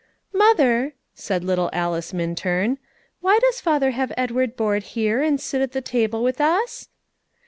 "Mother," said little Alice Minturn, "why does father have Edward board here, and sit at the table with us?"